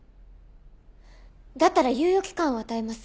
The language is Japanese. だったら猶予期間を与えます。